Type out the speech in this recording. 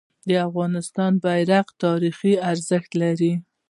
د افغانستان بیرغ تاریخي ارزښت لري.